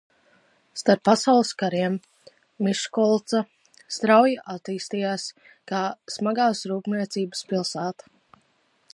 Starp pasaules kariem Miškolca strauji attīstījās kā smagās rūpniecības pilsēta.